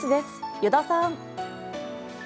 依田さん。